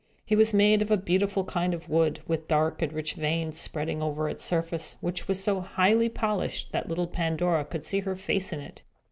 It was made of a beautiful kind of wood, with dark and rich veins spreading over its surface, which was so highly polished that little Pandora could see her face in it.